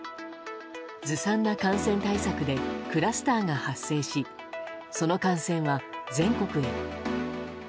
ずさんな感染対策でクラスターが発生しその感染は、全国へ。